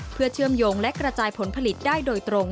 เพื่อเชื่อมโยงและกระจายผลผลิตได้โดยตรง